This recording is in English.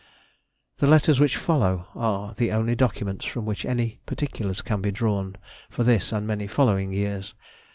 The letters which follow are the only documents from which any particulars can be drawn for this and many following years.